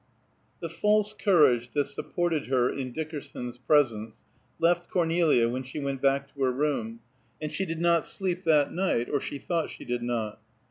The false courage that supported her in Dickerson's presence left Cornelia when she went back to her room, and she did not sleep that night, or she thought she did not.